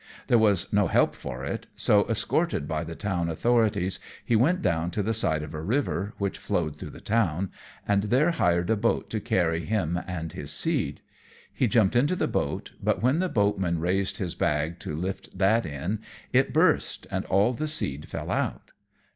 There was no help for it, so, escorted by the town authorities, he went down to the side of a river, which flowed through the town, and there hired a boat to carry him and his seed. He jumped into the boat, but when the boatman raised his bag to lift that in, it burst and all the seed fell out.